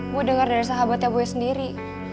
gue denger dari sahabatnya boy sendiri